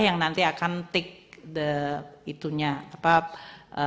yang nanti akan take